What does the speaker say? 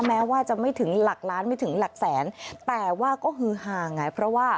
แม้ว่าจะไม่ถึงหลักล้านไม่ถึงหลักแสนแต่ว่าก็ฮือหาไงเพราะว่า